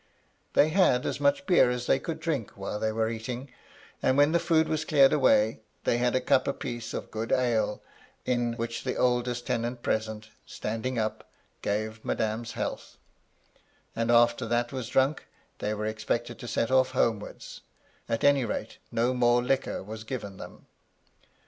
They had as much beer as they could drink while they were eating ; and when the food was cleared away, they had a cup a piece of good ale, in which the oldest tenant present, standing up, gave Madam's health ; and after that was drunk, they were expected to set off homewards; at any rate, no more liquor was given them.